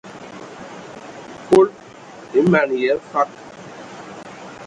Fol e man yə afag.